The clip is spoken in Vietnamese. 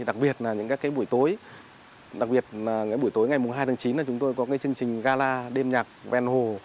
đặc biệt là những các cái buổi tối đặc biệt là buổi tối ngày hai tháng chín là chúng tôi có cái chương trình gala đêm nhạc ven hồ